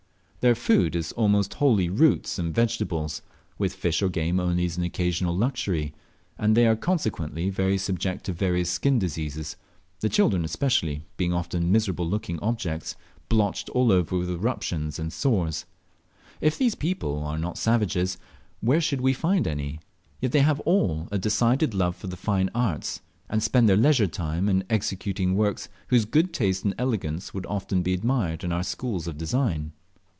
Their food is almost wholly roots and vegetables, with fish or game only as an occasional luxury, and they are consequently very subject to various skin diseases, the children especially being often miserable looking objects, blotched all over with eruptions and sores. If these people are not savages, where shall we find any? Yet they have all a decided love for the fine arts, and spend their leisure time in executing works whose good taste and elegance would often be admired in our schools of design!